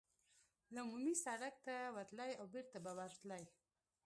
له عمومي سړک ته وتلای او بېرته به ورتللای.